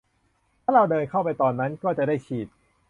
ถ้าเราเดินเข้าไปตอนนั้น ก็จะได้ฉีด